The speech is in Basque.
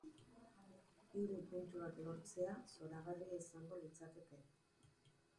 Hiru puntuak lortzea zoragarria izango litzateke.